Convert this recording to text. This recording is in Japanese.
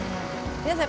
皆さん